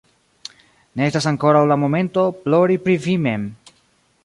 Ne estas ankoraŭ la momento, plori pri vi mem.